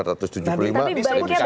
tapi baiknya berapa